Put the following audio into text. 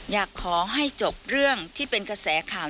อยากให้จบเรื่องที่เป็นกระแสข่าว